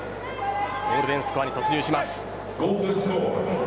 ゴールデンスコアに突入します。